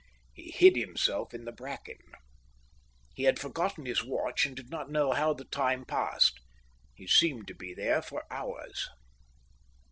He hid himself in the bracken. He had forgotten his watch and did not know how the time passed; he seemed to be there for hours.